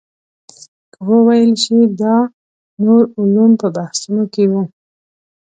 که وویل شي چې دا نور علوم په بحثونو کې وو.